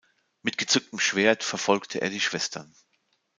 Mit gezücktem Schwert verfolgte er die Schwestern.